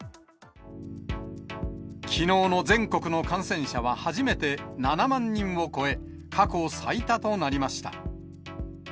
きのうの全国の感染者は初めて７万人を超え、過去最多となりました。